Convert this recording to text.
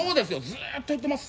ずっと言ってます